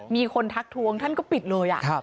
มีคนทักทวงท่านก็ปิดเลย